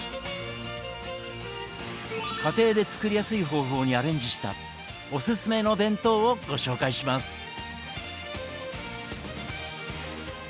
家庭で作りやすい方法にアレンジしたおすすめの弁当をご紹介します。